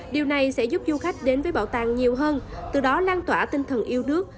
điều này sẽ giúp du khách đến với bảo tàng nhiều hơn từ đó lan tỏa tinh thần yêu nước